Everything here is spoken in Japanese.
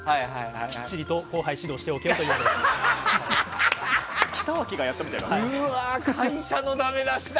きっちりと後輩を指導しておけと言われました。